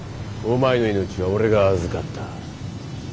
お前の命は俺が預かった。